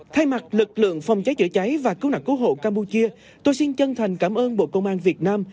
thay mặt lực lượng phòng cháy chữa cháy và cứu nạn cứu hộ campuchia tôi xin chân thành cảm ơn bộ công an việt nam